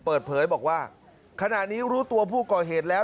เปิดเผยบอกว่าขณะนี้รู้ตัวผู้ก่อเหตุแล้ว